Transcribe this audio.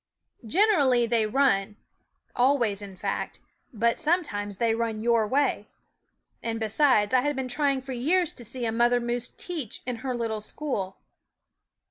Generally they run always, in fact but sometimes they run your way. And besides, I had been trying for years to see a mother moose teaching in her little school.